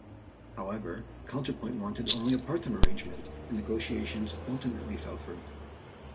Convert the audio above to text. However, Counterpoint wanted only a part-time arrangement, and negotiations ultimately fell through.